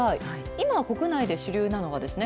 今、国内で主流なのはですね